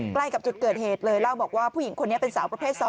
ใกล้กับจุดเกิดเหตุเลยเล่าบอกว่าผู้หญิงคนนี้เป็นสาวประเภท๒